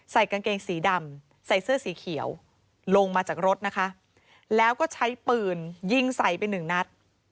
กางเกงสีดำใส่เสื้อสีเขียวลงมาจากรถนะคะแล้วก็ใช้ปืนยิงใส่ไปหนึ่งนัด